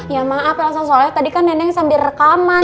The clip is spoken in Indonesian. ya maaf elsa soalnya tadi kan neneng sambil rekaman